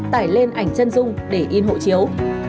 tải lên ảnh chân dung để in hộ chiếu